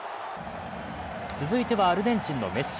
続いてはアルゼンチンのメッシ。